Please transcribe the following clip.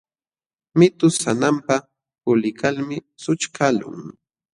Mitu sananpa puliykalmi sućhkaqlun.